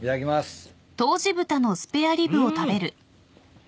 はい。